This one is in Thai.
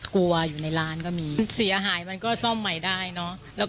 อยู่ในร้านก็มีเสียหายมันก็ซ่อมใหม่ได้เนอะ